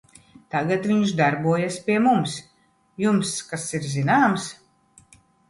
-Tagad viņš darbojas pie mums. Jums kas ir zināms?